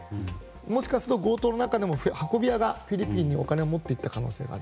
もしかすると、運び屋がフィリピンにお金を持って行った可能性がある。